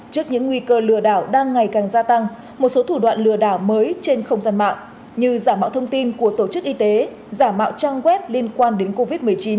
trước những nguy cơ lừa đảo đang ngày càng gia tăng một số thủ đoạn lừa đảo mới trên không gian mạng như giả mạo thông tin của tổ chức y tế giả mạo trang web liên quan đến covid một mươi chín